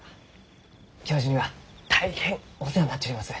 教授には大変お世話になっちょります。